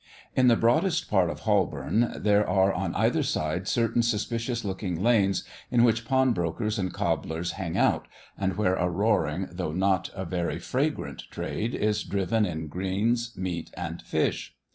In the broadest part of Holborn, there are on either side certain suspicious looking lanes, in which pawnbrokers and cobblers "hang out," and where a roaring, though not a very fragrant, trade is driven in greens, meat, and fish.